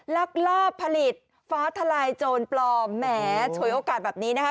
ลักลอบผลิตฟ้าทลายโจรปลอมแหมฉวยโอกาสแบบนี้นะคะ